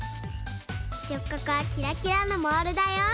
しょっかくはキラキラのモールだよ。